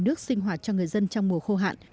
nước sinh hoạt cho người dân trong mùa khô hạn